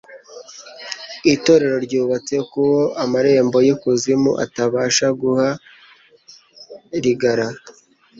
Itorero ryubatse k'Uwo amarembo y'ikuzimu atabasha guharigara.